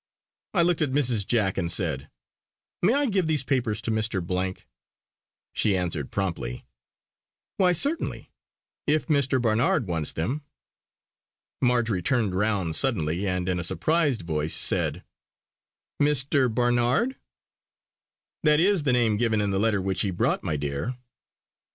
I looked at Mrs. Jack and said: "May I give these papers to Mr. " She answered promptly: "Why cert'nly! If Mr. Barnard wants them." Marjory turned round suddenly and in a surprised voice said: "Mr. Barnard?" "That is the name given in the letter which he brought, my dear!"